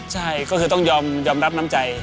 ใช่ก็คือต้องยอมรับน้ำใจ